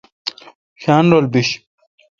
شاین رل بیش۔